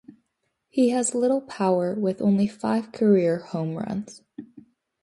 He has little power with only five career home runs.